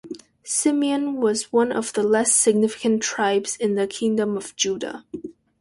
Simeon was one of the less significant tribes in the Kingdom of Judah.